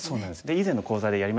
以前の講座でやりましたよね